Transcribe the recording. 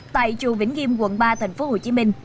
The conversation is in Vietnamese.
tại chùa vĩnh nghiêm quận ba thành phố hồ chí minh